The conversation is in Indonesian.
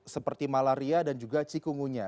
seperti malaria dan juga cikungunya